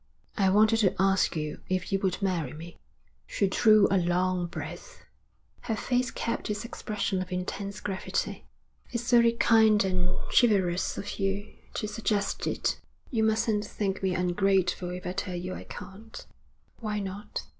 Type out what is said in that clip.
'I wanted to ask you if you would marry me.' She drew a long breath. Her face kept its expression of intense gravity. 'It's very kind and chivalrous of you to suggest it. You mustn't think me ungrateful if I tell you I can't.' 'Why not?'